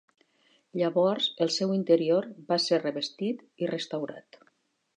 Llavors el seu interior va ser revestit i restaurat.